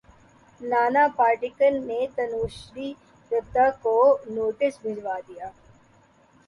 نانا پاٹیکر نے تنوشری دتہ کو نوٹس بھجوا دیا